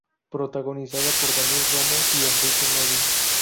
Protagonizada por Daniela Romo y Enrique Novi.